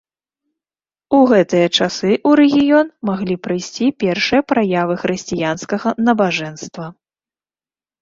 У гэтыя часы ў рэгіён маглі прыйсці першыя праявы хрысціянскага набажэнства.